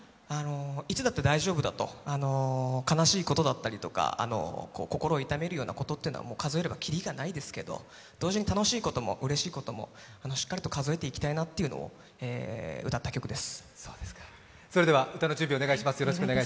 いつだって大丈夫だと、悲しいことだったり、心を痛めるようなことは数えればきりがないですけれども、同時に楽しいこともうれしいことも、しっかりと数えていきたいなというのを歌った曲です。